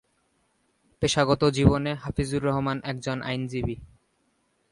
পেশাগত জীবনে হাফিজুর রহমান একজন আইনজীবী।